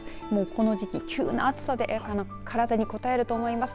この時期、急な暑さで体にこたえると思います。